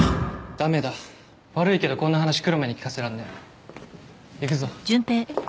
ダメだ悪いけどこんな話黒目に聞かせらんねえ行くぞえっ？